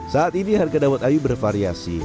saat ini harga dawet ayu bervariasi